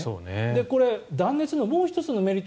これ、断熱のもう１つのメリット